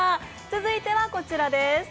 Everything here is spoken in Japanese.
続いてはこちらです。